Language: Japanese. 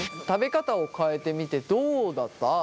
食べ方を変えてみてどうだった？